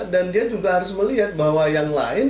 dan dia juga harus melihat bahwa yang lain